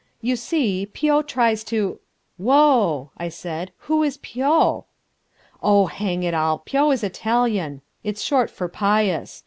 "You see, Pio tries to...." "Whoa!" I said, "who is Pio?" "Oh, hang it all, Pio is Italian, it's short for Pius.